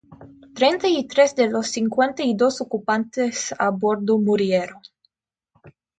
Treinta y tres de los cincuenta y dos ocupantes a bordo murieron.